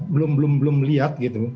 belum belum lihat gitu